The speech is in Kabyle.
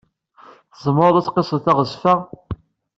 Tzemreḍ ad tqisseḍ teɣzef-a?